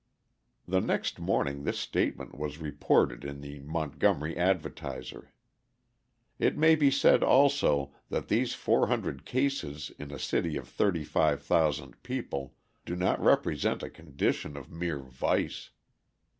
The next morning this statement was reported in the Montgomery Advertiser. It may be said also, that these 400 cases in a city of 35,000 people do not represent a condition of mere vice.